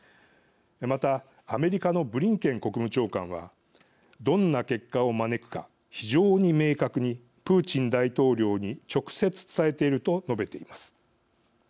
また、アメリカのブリンケン国務長官は「どんな結果を招くか非常に明確にプーチン大統領に直接、伝えている」と述べています。